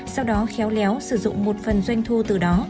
sau đó khéo léo sử dụng một phần doanh thu từ đó